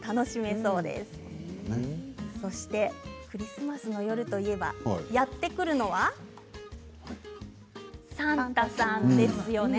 そして、クリスマスの夜といえばやって来るのがサンタさんですよね。